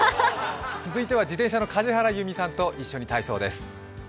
続いては自転車の梶原悠未さんと一緒に体操です。